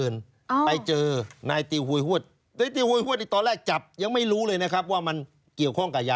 แล้วไปป๊ากันเมื่อกี๊